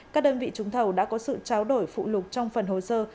các đơn vị trúng thầu đã có sự tráo đổi phụ lục trong phần hồ sơ